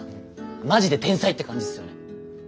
マジで天才って感じっすよね。